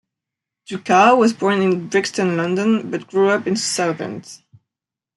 Ducat was born in Brixton, London, but grew up in Southend.